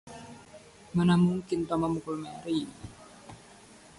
Mana mungkin Tom memukul Mary.